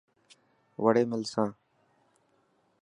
وڙي ملسان.